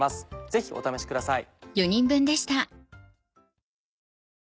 ぜひお試しください。